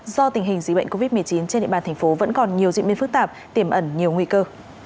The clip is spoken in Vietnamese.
do tình hình dịch bệnh covid một mươi chín trên địa bàn thành phố vẫn còn nhiều diễn biến phức tạp tiềm ẩn nhiều nguy cơ